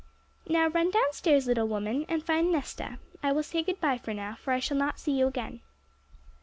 'Now run downstairs, little woman, and find Nesta. I will say good bye now, for I shall not see you again.'